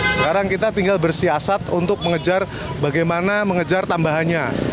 sekarang kita tinggal bersiasat untuk mengejar bagaimana mengejar tambahannya